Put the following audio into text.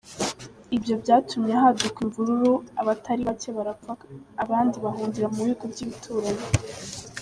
Ibyo byatumye haduka imvururu abatari bake barapfa abandi bahungira mu bihugu by’ibituranyi.